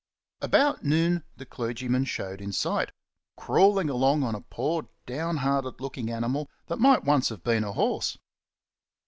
About noon the clergyman showed in sight, crawling along on a poor, downhearted looking animal which might once have been a horse.